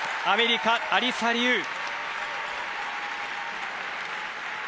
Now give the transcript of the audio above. アメリカ、アリサ・リウ。